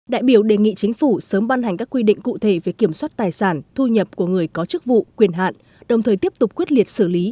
đại biểu đề nghị chính phủ sớm ban hành các quy định cụ thể về kiểm soát tài sản thu nhập của người có chức vụ quyền hạn đồng thời tiếp tục quyết liệt xử lý